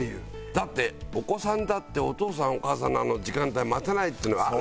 だってお子さんだってお父さんお母さんのあの時間帯待てないっていうのがある。